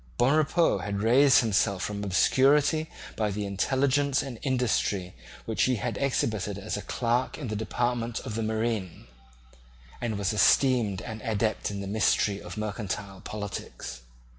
Bonrepaux had raised himself from obscurity by the intelligence and industry which he had exhibited as a clerk in the department of the marine, and was esteemed an adept in the mystery of mercantile politics.